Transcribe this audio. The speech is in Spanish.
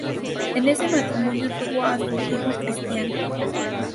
En ese matrimonio tuvo a su hijo Cristiano.